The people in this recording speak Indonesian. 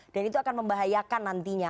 dan itu akan membahayakan nantinya